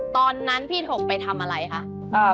ตอนนั้นพี่ถกไปทำอะไรคะ